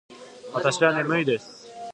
わたしはねむいです。